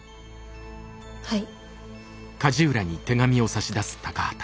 はい。